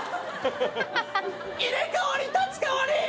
入れ替わり立ち替わり